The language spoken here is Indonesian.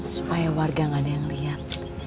supaya warga gak ada yang liat